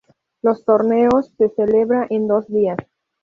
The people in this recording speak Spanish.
Los torneos se celebra en dos días.